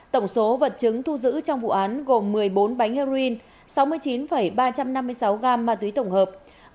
tổng số vật chứng thu giữ trong vụ án gồm một mươi bốn bánh heroin sáu mươi chín ba trăm năm mươi sáu gam ma túy tổng hợp